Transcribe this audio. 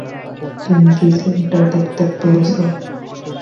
তুমি কি সেটা দেখতে পেয়েছো?